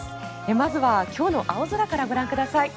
まずは今日の青空からご覧ください。